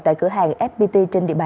tại cửa hàng fpt trên địa bàn